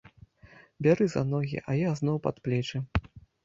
Бяры за ногі, а я зноў пад плечы.